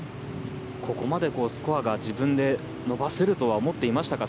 ここまでスコアが自分で伸ばせるとは思っていましたか？